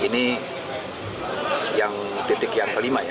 ini yang titik yang kelima ya